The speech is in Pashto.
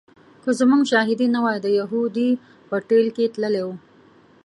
که زموږ شاهدي نه وای د یهودي په ټېل کې تللی و.